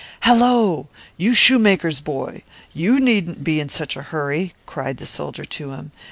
"Hallo, you shoemaker's boy, you need not be in such a hurry," cried the soldier to him.